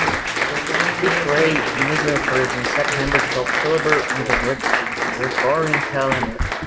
Tishrei usually occurs in September-October on the Gregorian calendar.